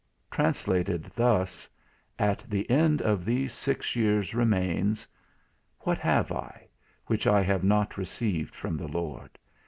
TRANSLATED THUS. At the end of these six years remains What have I, which I have not received from the Lord?